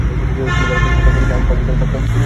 তিনি ভারতের হিমাচল প্রদেশ আইন পরিষদের প্রাক্তন স্পিকার।